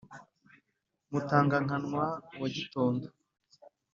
mutanga-nkanwa wa bitondo,